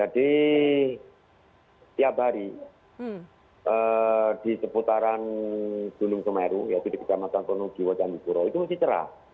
jadi tiap hari di seputaran gunung kemeru yaitu di pekan masang tonogiwa dan ibu kuro itu mesti cerah